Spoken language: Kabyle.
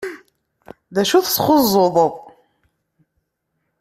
D acu tesxuẓẓuḍeḍ?